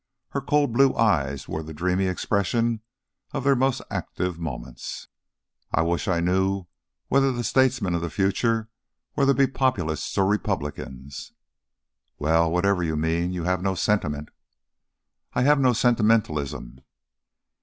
Her cold blue eyes wore the dreamy expression of their most active moments. "I wish I knew whether the statesmen of the future were to be Populists or Republicans." "Well, whatever you mean you have no sentiment." "I have no sentimentalism."